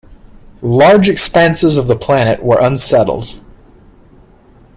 Large expanses of the planet were unsettled.